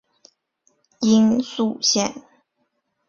殷栗线